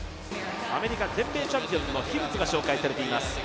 アメリカ全米チャンピオンのヒルツが紹介されています。